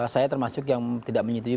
saya termasuk yang tidak menyetujui